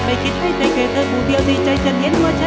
ไม่คิดได้แต่เกรียจเธอภูเทียนที่ใจจัดเหนียนว่าใช่